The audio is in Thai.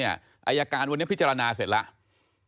อายการวันนี้พิจารณาเสร็จแล้ว